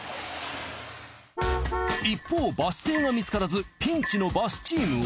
一方バス停が見つからずピンチのバスチームは。